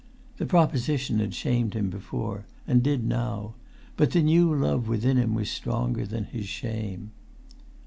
The proposition had shamed him before; and did now; but the new love within him was stronger than his shame.